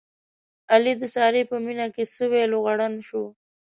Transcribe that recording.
علي د سارې په مینه کې سوی لوغړن شو.